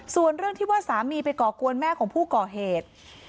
ส่วนเรื่องที่ว่าสามีไปก่อกวนแม่ของผู้ก่อเหตุ